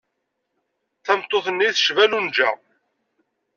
Tameṭṭut-nni tecba Lunja.